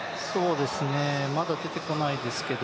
まだ出てこないですけど。